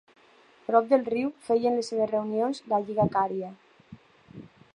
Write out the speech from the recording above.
Prop del riu feien les seves reunions la Lliga Cària.